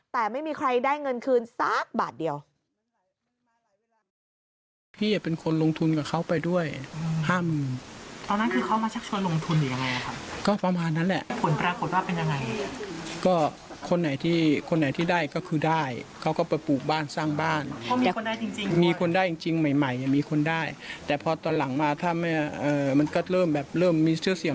แต่ไม่มีใครได้เงินคืนสักบาทเดียว